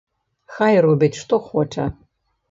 Хай робіць што хоча.